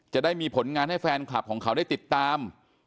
จะได้มีผลงานให้แฟนคลับของเขาได้ติดตาม